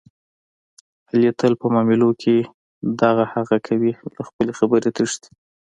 علي تل په معاملو کې دغه هغه کوي، له خپلې خبرې تښتي.